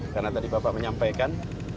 karena tadi bapak menyampaikan